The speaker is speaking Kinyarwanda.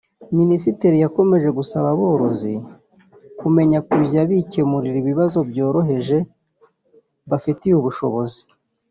Minisitiri yakomeje gusaba aborozi kumenya kujya bikemurira ibibazo byoroheje bafitiye ubushobozi